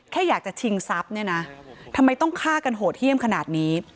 แค่อยากจะชิงทรัพย์เนี่ยนะทำไมต้องฆ่ากันโหดเยี่ยมขนาดนี้